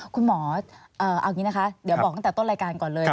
คุณหมอเอาอย่างนี้นะคะเดี๋ยวบอกตั้งแต่ต้นรายการก่อนเลย